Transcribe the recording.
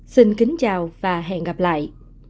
xin kính chào và hẹn gặp lại